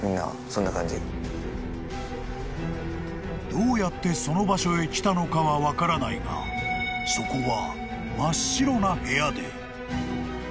［どうやってその場所へ来たのかは分からないがそこは］